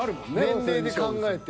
年齢で考えて。